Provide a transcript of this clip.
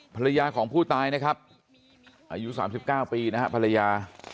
ภรรยาของผู้ตายนะครับอายุ๓๙ปีนะฮะภรรยา